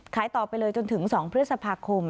ขายต่อไปเลยจนถึง๒พฤษภาคม